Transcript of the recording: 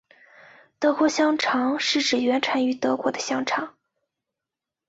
德国香肠是指原产于德国的香肠。